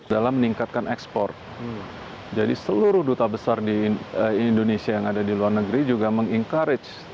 dalam meningkatkan ekspor jadi seluruh duta besar di indonesia yang ada di luar negeri juga meng encourage